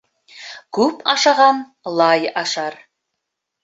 Күп ашаған лай ашар.